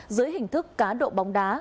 dưới hình thức cá độ bóng đá